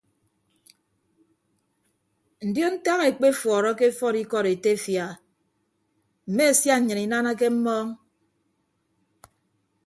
Ndion ntak ekpefuọrọke efuọd ikọd etefia a mme sia nnyịn inanake mmọọñ.